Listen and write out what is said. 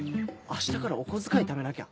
明日からお小遣いためなきゃ。